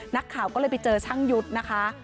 นักข่าวก็เลยไปเจอช่างยุทธ์นะคะ